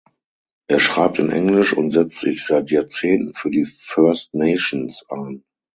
Er schreibt in Englisch und setzt sich seit Jahrzehnten für die First Nations ein.